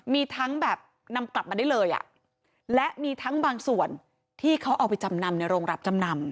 มีทั้งแบบนำกลับมาได้เลยอ่ะและมีทั้งบางส่วนที่เขาเอาไปจำนำในโรงรับจำนำ